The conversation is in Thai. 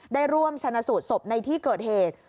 ได้ร่วมชนะสูตรศพในที่เกิดเหตุ